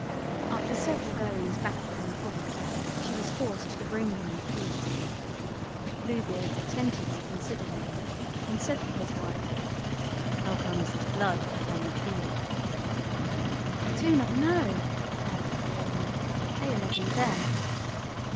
After several goings backward and forward she was forced to bring him the key. Blue Beard attentively considered it and said to his wife: "How comes this blood upon the key?" "I do not know," cried the poor woman, paler than death.